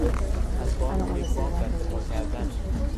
از بانک یک وام دست و پا کردن